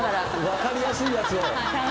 分かりやすいやつを。